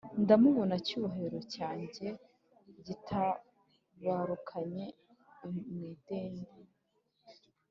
ndamubona cyubahiro cyanjye gitabarukanye imidende